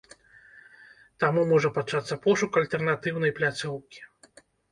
Таму можа пачацца пошук альтэрнатыўнай пляцоўкі.